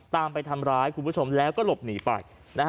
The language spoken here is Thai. ไปทำร้ายคุณผู้ชมแล้วก็หลบหนีไป